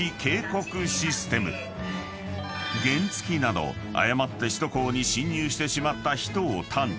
［原付など誤って首都高に進入してしまった人を探知］